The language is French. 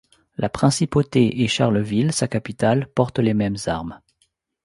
La principauté et Charleville, sa capitale, portent les mêmes armes.